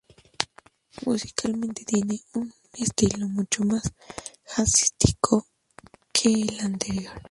Musicalmente tiene un estilo mucho más jazzístico que el anterior.